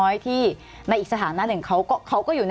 สวัสดีครับทุกคน